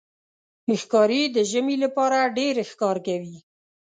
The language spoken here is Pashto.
ښکاري د ژمي لپاره ډېر ښکار کوي.